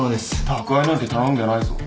宅配なんて頼んでないぞ。